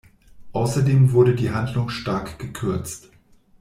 Außerdem wurde die Handlung stark gekürzt.